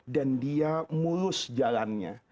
dan dia mulus jalannya